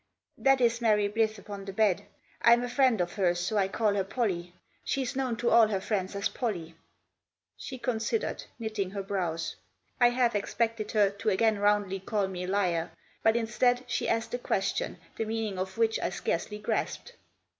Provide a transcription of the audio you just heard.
" That is Mary Blyth upon the bed. I'm a friend of hers, so I call her Pollie. She's known to all her friends as Pollie." She considered, knitting her brows. I half expected her to again roundly call me liar; but, instead, she asked a question, the meaning of which I scarcely grasped.